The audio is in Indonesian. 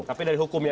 tapi dari hukum ya